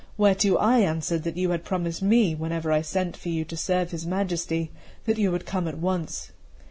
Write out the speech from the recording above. Whereto I answered that you had promised me, whenever I sent for you to serve his Majesty, that you would come at once.